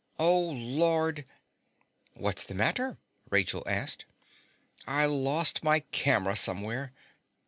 Oh, Lord!" "What's the matter?" Rachel asked. "I lost my camera somewhere."